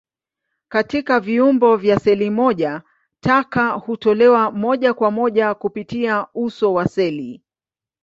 Katika viumbe vya seli moja, taka hutolewa moja kwa moja kupitia uso wa seli.